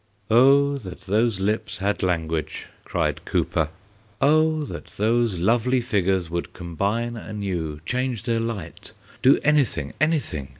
"Oh, that those lips had language!" cried Cowper. "Oh, that those lovely figures would combine anew change their light do anything, anything!"